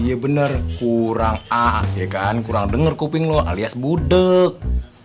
iya bener kurang a ya kan kurang dengar kuping loh alias budeg